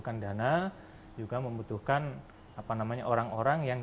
yang sehat dan berpengalaman dan juga membutuhkan kemampuan dan juga membutuhkan kemampuan yang